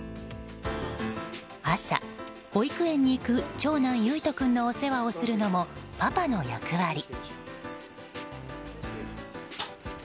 朝、保育園に行く長男ゆいと君のお世話をするのもパパの役割。